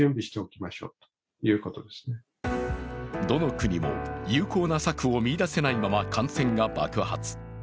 どの国も、有効な策を見いだせないまま感染が爆発。